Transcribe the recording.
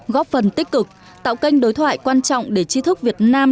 góp phần tích cực tạo kênh đối thoại quan trọng để tri thức việt nam